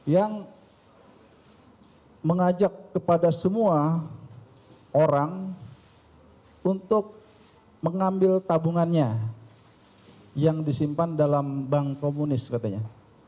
yang mengajak kepada semua orang untuk mengambil tabungannya yang disimpan dalam bank komunis katanya